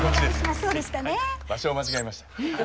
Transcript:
場所を間違えました。